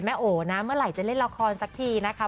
โอนะเมื่อไหร่จะเล่นละครสักทีนะคะ